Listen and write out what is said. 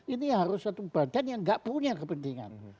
ini harus ada satu badan yang tidak punya kepentingan